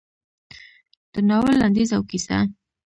د ناول لنډیز او کیسه: